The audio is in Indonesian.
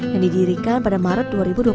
yang didirikan pada maret dua ribu dua puluh